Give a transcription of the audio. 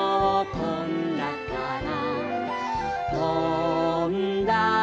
「とんだから」